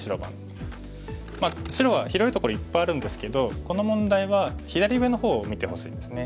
白は広いところいっぱいあるんですけどこの問題は左上の方を見てほしいですね。